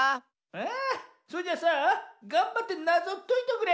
あそれじゃあさがんばってなぞをといとくれ。